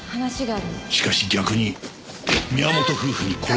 しかし逆に宮本夫婦に殺されてしまった。